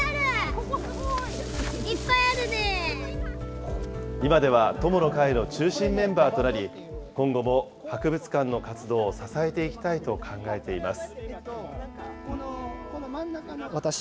ここ、今では、友の会の中心メンバーとなり、今後も博物館の活動を支えていきたいと考えています。